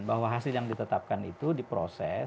bahwa hasil yang ditetapkan itu diproses